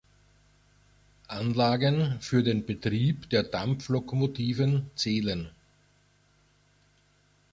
Anlagen für den Betrieb der Dampflokomotiven zählen.